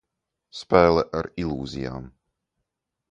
Spēle ar ilūzijām.